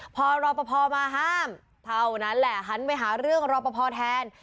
พอรอปภมาห้ามเท่านั้นแหละหันไปหาเรื่องรอปภแทน